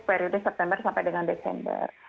periode september sampai dengan desember